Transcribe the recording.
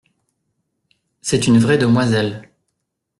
C’est une vraie demoiselle.